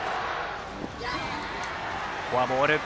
フォアボール。